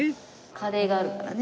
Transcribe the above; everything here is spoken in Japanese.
カレーがあるからね。